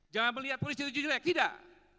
jangan melihat polisi itu jelek tidak